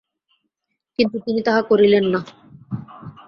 কিন্তু তিনি তাহা করিলেন না।